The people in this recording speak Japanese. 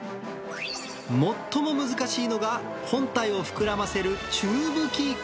最も難しいのが、本体を膨らませる宙吹き。